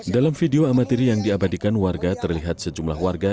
dalam video amatir yang diabadikan warga terlihat sejumlah warga